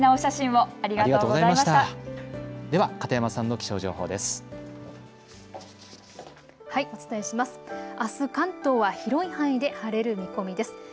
あす関東は広い範囲で晴れる見込みです。